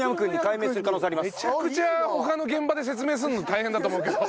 めちゃくちゃ他の現場で説明するの大変だと思うけど。